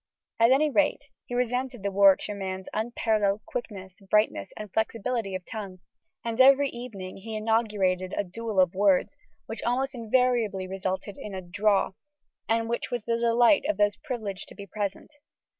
At any rate he resented the Warwickshire man's unparalleled quickness, brightness, and flexibility of tongue; and every evening he inaugurated a duel of words, which almost invariably resulted in a "draw," and which was the delight of those privileged to be present.